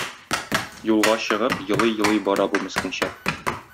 Юлга чыгып елый-елый бара бу мескенчәк.